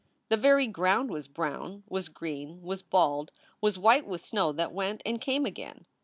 The very ground was brown, was green, was bald, was white with snow that went and came again.